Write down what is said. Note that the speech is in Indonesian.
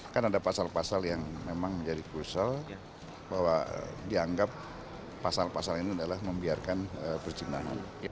kan ada pasal pasal yang memang menjadi krusial bahwa dianggap pasal pasal ini adalah membiarkan percintaan